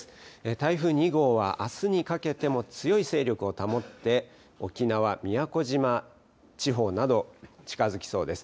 台風２号は、あすにかけても強い勢力を保って、沖縄・宮古島地方など近づきそうです。